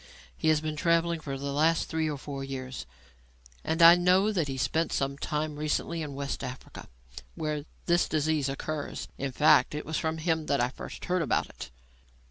He has been travelling for the last three or four years, and I know that he spent some time recently in West Africa, where this disease occurs. In fact, it was from him that I first heard about it."